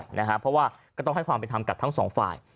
อย่างไรนะฮะเพราะว่าก็ต้องให้ความเป็นธรรมกับทั้งสองฝ่าย